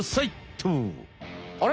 あれ？